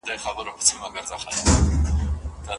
په مړانه زړه راغونډ کړو د قسمت سره جنګیږو